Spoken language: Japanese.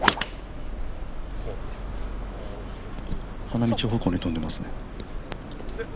花道方向に飛んでいますね。